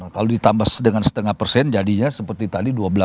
kalau ditambah dengan setengah persen jadinya seperti tadi dua belas